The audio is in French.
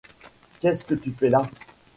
Qu’est-ce que tu fais là?